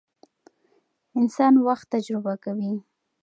انسان وخت تجربه کوي.